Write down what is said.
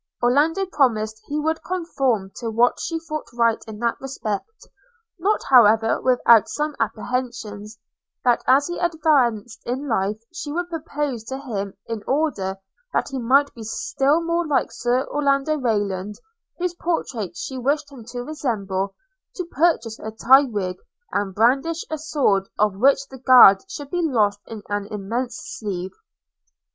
Orlando promised he would conform to what she thought right in that respect – not however without some apprehensions, that as he advanced in life she would propose to him, in order that he might be still more like Sir Orlando Rayland, whose portrait she wished him to resemble, to purchase a tie wig, and brandish a sword, of which the guard should be lost in an immense sleeve.